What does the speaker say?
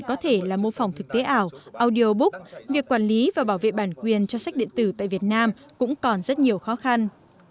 có thể là mô phòng thực tế ảo audio book việc quản lý và bảo vệ bản quyền cho sách điện tử tại việt nam cũng còn rất nhiều khó khăn